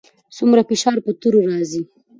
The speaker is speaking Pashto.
څومره فشار پر تورو راځي؟